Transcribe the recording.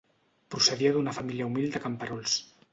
Procedia d'una família humil de camperols.